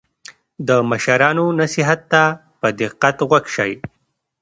د مشرانو نصیحت ته په دقت غوږ شئ.